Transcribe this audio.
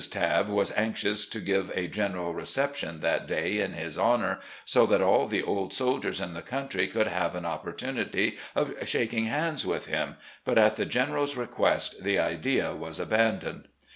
Tabb was anxious to give a general reception that day in his honour, so that all the old soldiers in the coimtry could have an opportunity of shaking hands with him, but at the General's request the idea was abandoned.